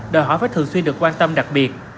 đòi hỏi phải thường xuyên được quan tâm đặc biệt